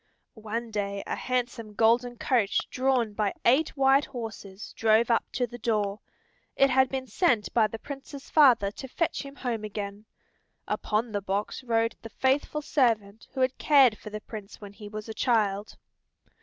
One day a handsome golden coach drawn by eight white horses drove up to the door. It had been sent by the Prince's father to fetch him home again. Upon the box rode the faithful servant who had cared for the Prince when he was a child.